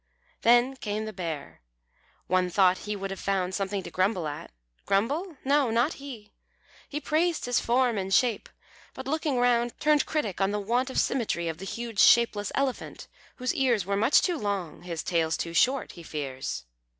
Then came the Bear. One thought he would have found Something to grumble at. Grumble! no, not he. He praised his form and shape, but, looking round, Turned critic on the want of symmetry Of the huge shapeless Elephant, whose ears Were much too long; his tail too short, he fears.